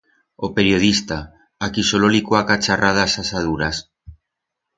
O periodista, a qui solo li cuaca charrar d'as asaduras.